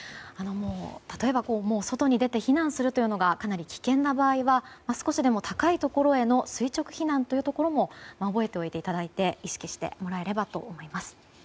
例えば、外に出て避難するのがかなり危険な場合は少しでも高い所への垂直避難というところも覚えておいていただいて意識してもらえればと思います。